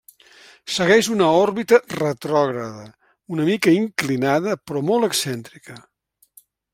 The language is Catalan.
Segueix una òrbita retrògrada, una mica inclinada però molt excèntrica.